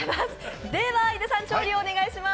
では井手さん、調理をお願いします。